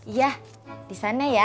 iya di sana ya